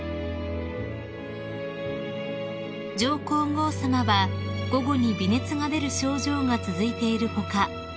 ［上皇后さまは午後に微熱が出る症状が続いている他